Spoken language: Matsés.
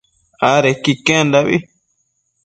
adequi iquendabi